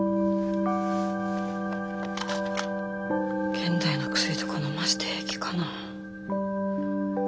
現代の薬とかのませて平気かな。